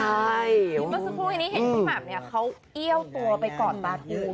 เมื่อสักครู่นี้เห็นพี่หม่ำเนี่ยเขาเอี้ยวตัวไปกอดตาทู